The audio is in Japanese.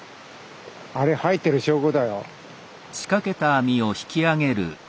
あれ入ってる証拠だよ。